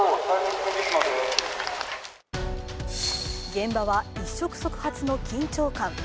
現場は一触即発の緊張感。